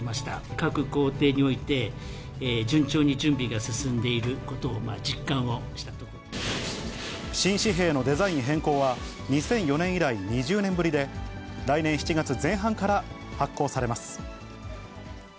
各工程において、順調に準備が進んでいることを、新紙幣のデザイン変更は、２００４年以来２０年ぶりで、来年７月前半から発行されます。